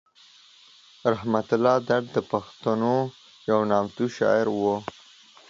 رحمت الله درد د پښتنو یو نامتو شاعر و.